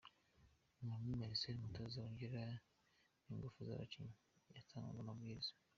Lomami Marcel umutoza wongera ingufu z'abakinnyi yatangaga amabwiriza.